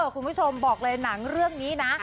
คุณผู้ชมบอกเลยหนังเรื่องนี้นะ